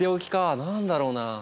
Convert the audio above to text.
何だろうな？